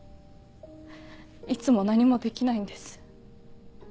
いつも何もできないんです。